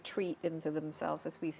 ke diri mereka sendiri